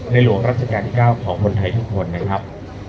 หลวงรัชกาลที่๙ของคนไทยทุกคนนะครับ